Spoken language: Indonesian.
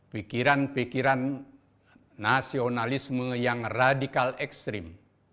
pikiran pikiran nasionalisme yang radikal ekstrim